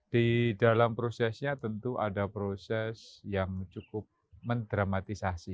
di dalam prosesnya tentu ada proses yang cukup mendramatisasi